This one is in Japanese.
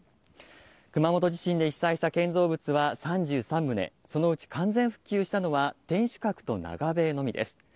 熊本地震で被災した建造物は３３棟、そのうち完全復旧したのは天守閣と長塀のみです。